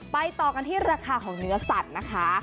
ต่อกันที่ราคาของเนื้อสัตว์นะคะ